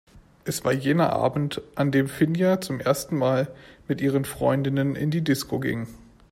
Es war jener Abend, an dem Finja zum ersten Mal mit ihren Freundinnen in die Disco ging.